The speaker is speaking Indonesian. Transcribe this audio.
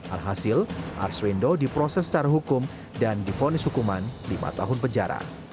alhasil arswendo diproses secara hukum dan difonis hukuman lima tahun penjara